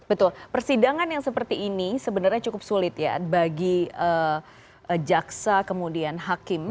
betul persidangan yang seperti ini sebenarnya cukup sulit ya bagi jaksa kemudian hakim